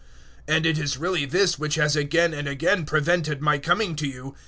015:022 And it is really this which has again and again prevented my coming to you.